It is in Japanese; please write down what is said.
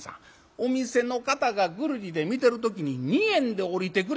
お店の方がぐるりで見てる時に二円で下りてくれ。